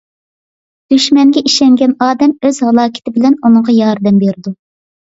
دۈشمەنگە ئىشەنگەن ئادەم ئۆز ھالاكىتى بىلەن ئۇنىڭغا ياردەم بېرىدۇ.